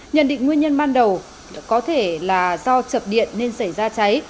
nhận định nguyên nhân ban đầu có thể là do chập điện nên xảy ra cháy